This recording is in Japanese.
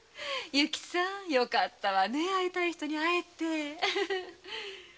由紀さんよかったね会いたい人に会えて。